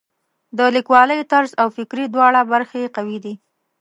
د لیکوالۍ طرز او فکري دواړه برخې یې قوي دي.